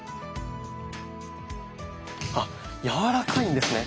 あっやわらかいんですね。